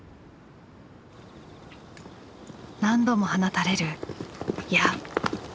何度も放たれる矢。